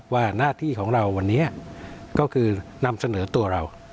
ว่าหน้าที่ของเราวันนี้ก็คือนำเสนอตัวเรา